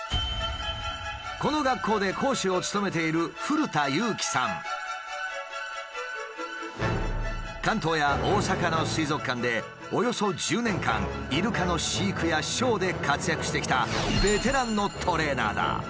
この学校で講師を務めている関東や大阪の水族館でおよそ１０年間イルカの飼育やショーで活躍してきた